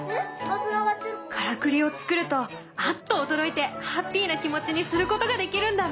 からくりを作るとアッと驚いてハッピーな気持ちにすることができるんだね！